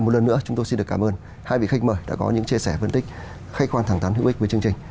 một lần nữa chúng tôi xin được cảm ơn hai vị khách mời đã có những chia sẻ phân tích khách quan thẳng thắn hữu ích với chương trình